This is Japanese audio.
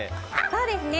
そうですね。